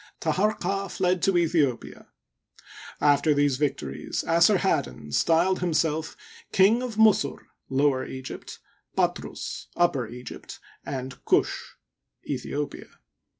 Taharqa fled to Aethiopia. After these victories Assarhaddon styled himself " King of Musur (Lower Egypt), Patrus (Upper Egypt), and Ktish (Aethiopia).